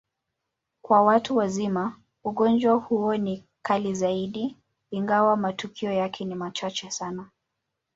Kwa watu wazima, ugonjwa huo ni kali zaidi, ingawa matukio yake ni machache sana.